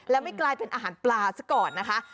แล้วไม่กลายเป็นอาหารปลาซะก่อนนะคะ